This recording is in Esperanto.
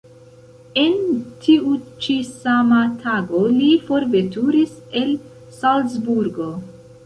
En tiu ĉi sama tago li forveturis el Salzburgo.